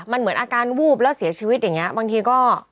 มันเหมือนอาการวูบแล้วเสียชีวิตอย่างเงี้บางทีก็